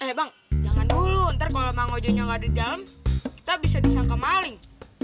eh bang jangan dulu ntar kalo emang ojo gak ada di dalam kita bisa disangka maling